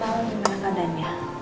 mau gimana keadaannya